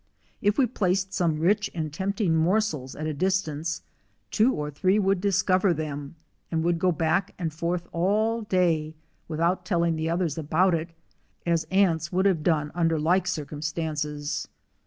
If we placed some rich and tempting morsels at a distance, two or three would discover them, and would go back and forth all day without telling the others about it, as ants would have done under like circumstances.